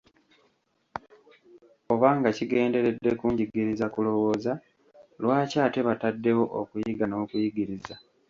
Obanga kigenderedde kunjigiriza kulowooza, lwaki ate bataddewo okuyiga n'okuyigiriza?